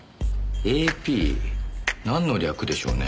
ＡＰなんの略でしょうね？